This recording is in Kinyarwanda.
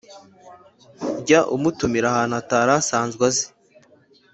jya umutumira ahantu atari asanzwe azi,